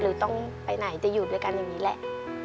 หรือต้องไปไหนจะอยู่ด้วยกันอย่างนี้แหละ